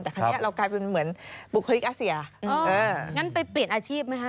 แต่ครั้งนี้เรากลายเป็นเหมือนบุคลิกอาเซีย